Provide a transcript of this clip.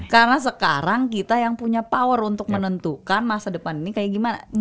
karena sekarang kita yang punya power untuk menentukan masa depan ini kayak gimana